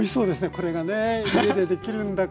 これがね家でできるんだから。